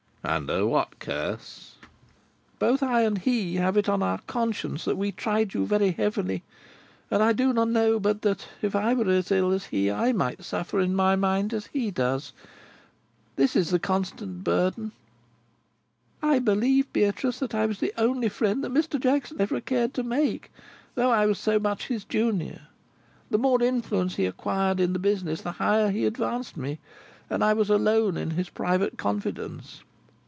"Under what curse?" "Both I and he have it on our conscience that we tried you very heavily, and I do not know but that, if I were as ill as he, I might suffer in my mind as he does. This is the constant burden:—'I believe, Beatrice, I was the only friend that Mr. Jackson ever cared to make, though I was so much his junior. The more influence he acquired in the business, the higher he advanced me, and I was alone in his private confidence.